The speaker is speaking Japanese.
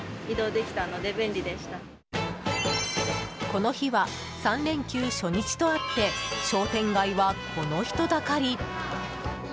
この日は３連休初日とあって商店街は、この人だかり。